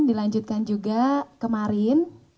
dilanjutkan juga kemarin